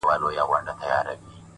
o د چا خبرو ته به غوږ نه نيسو،